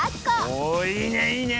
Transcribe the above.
おおいいねいいね。